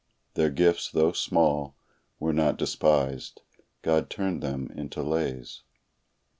Their gifts, though small, were not despised; God turned them into lays.